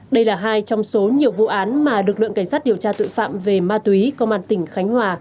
đây là hai trong số nhiều vụ án mà lực lượng cảnh sát điều tra tội phạm về ma túy công an tỉnh khánh hòa